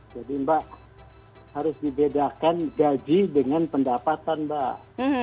jadi mbak harus dibedakan gaji dengan pendapatan mbak